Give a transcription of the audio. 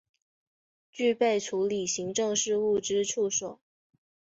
具备处理行政事务之处所